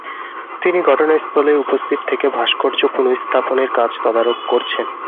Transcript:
তিনি ঘটনাস্থলে উপস্থিত থেকে ভাস্কর্য পুনঃস্থাপনের কাজ তদারক করছেন।